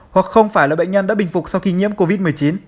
hoặc không phải là bệnh nhân đã bình phục sau khi nhiễm covid một mươi chín